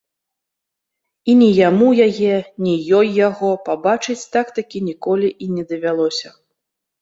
І ні яму яе, ні ёй яго пабачыць так-такі ніколі і не давялося.